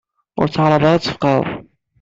Ur ttɛaraḍ ara ad tfeqɛeḍ.